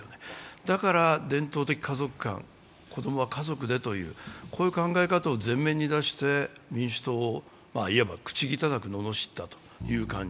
だから伝統的家族観、子供は家族でというこういう考え方を前面に出して民主党をいわば口汚くののしったという感じ。